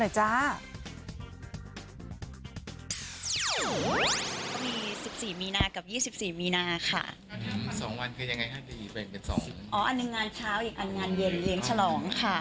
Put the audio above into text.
อันหนึ่งงานเช้าอีกอันงานเย็นเลี้ยงฉลองค่ะ